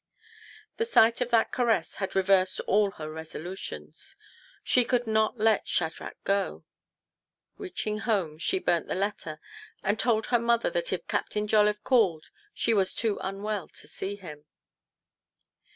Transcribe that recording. The sight of that caress had reversed all her resolutions. She could not let Shadrach go. Reaching home, she burnt the letter, and told her mother that if Captain Jolliffe called she was too unwell to see him.